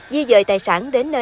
di dời tài sản đến nơi